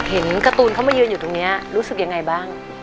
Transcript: เห็นการ์ตูนเข้ามายืนอยู่ตรงนี้รู้สึกยังไงบ้าง